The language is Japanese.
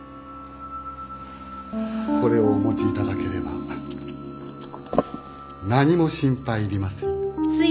これをお持ちいただければ何も心配いりませんよ。